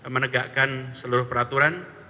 menegakkan seluruh peraturan